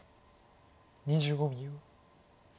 ２５秒。